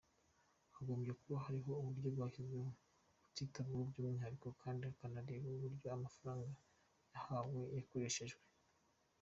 Hagombye kuba hariho uburyo bwashyizweho tukitabwaho by’umwihariko, kandi bakanareba uburyo amafaranga twahawe yakoreshejwe.